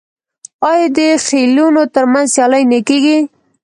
آیا د خیلونو ترمنځ سیالي نه کیږي؟